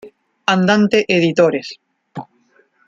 Andante Editores.